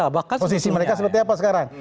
posisi mereka seperti apa sekarang